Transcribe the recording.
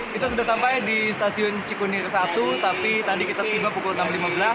kita sudah sampai di stasiun cikunir satu tapi tadi kita tiba pukul enam lima belas